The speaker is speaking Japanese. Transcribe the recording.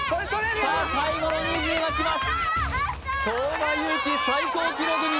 さあ、最後の２０が来ます。